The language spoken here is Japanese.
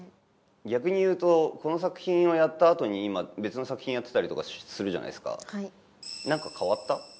逆に言うとこの作品をやったあとに今別の作品やってたりとかするじゃないですか何か変わった？